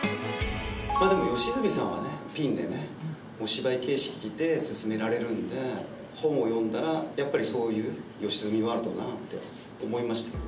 でも吉住さんはねピンでねお芝居形式で進められるんで本を読んだらやっぱりそういう吉住ワールドだなって思いましたよ。